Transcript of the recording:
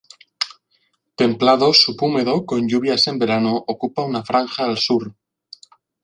Templado subhúmedo con lluvias en verano, ocupa una franja al sur.